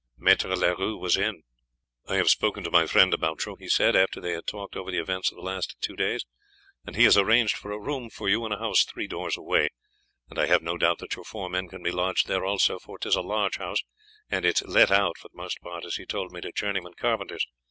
Maître Leroux was in. "I have spoken to my friend about you," he said, after they had talked over the events of the last two days, "and he has arranged for a room for you in a house three doors away; and I have no doubt that your four men can be lodged there also, for 'tis a large house, and is let out, for the most part, as he told me, to journeymen carpenters.